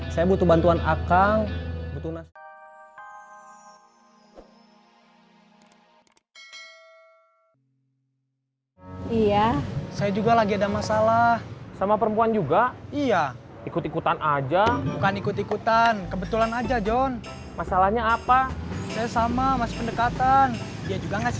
sampai jumpa di video selanjutnya